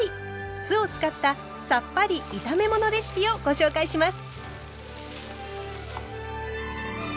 酢を使ったさっぱり炒め物レシピをご紹介します。